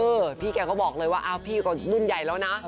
พี่แกก็บอกเลยว่าอ้าวพี่ก็รุ่นใหญ่แล้วนะ